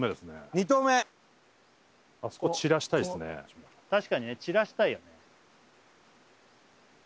２投目確かにね散らしたいよね